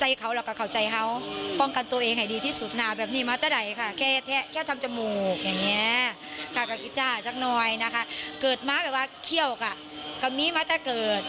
อย่างเงี้ยข้ากระกิจจ้าจากน้อยนะคะเกิดมาแปลว่าเขี้ยวก่ะก็มีมาแต่เกิด